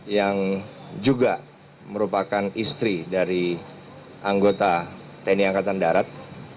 yang juga merupakan istri dari anggota tni angkatan darat